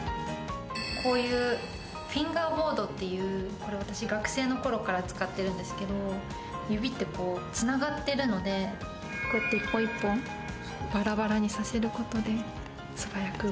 こういうフィンガーボードっていうこれ私学生の頃から使ってるんですけど指ってつながってるので一本一本バラバラにさせることで素早く動かす。